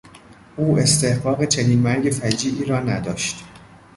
او استحقاق چنین مرگ فجیعی را نداشت.